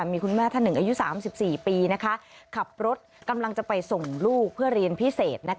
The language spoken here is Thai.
มีคุณแม่ท่านหนึ่งอายุ๓๔ปีขับรถกำลังจะไปส่งลูกเพื่อเรียนพิเศษ